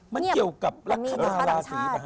มันเกี่ยวกับรักษาต่างชาติ